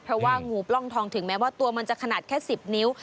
เพราะว่างูปล้องทองถึงแม้ว่าตัวมันจะขนาดแค่๑๐นิ้ว